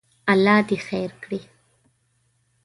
الله دې خیر کړي.